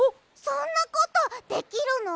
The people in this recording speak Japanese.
そんなことできるの？